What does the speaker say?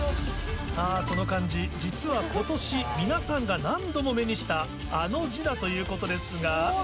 この漢字実は今年皆さんが何度も目にしたあの字だということですが。